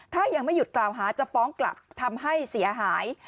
ถ้ายังไม่หยุดกล่าวหาจะฟ้องกลับทำให้เสียหาย